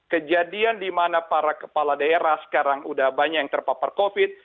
kejadian di mana para kepala daerah sekarang sudah banyak yang terpapar covid